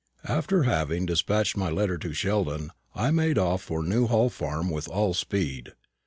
After having despatched my letter to Sheldon, I made off for Newhall farm with all speed.